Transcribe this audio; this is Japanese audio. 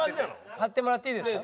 貼ってもらっていいですか？